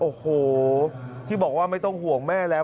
โอ้โหที่บอกว่าไม่ต้องห่วงแม่แล้ว